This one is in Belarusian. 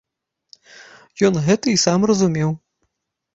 Ён гэта і сам разумеў.